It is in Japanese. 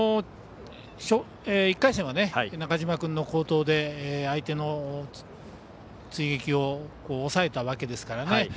１回戦は中嶋君の好投で相手の追撃を抑えたわけですからね。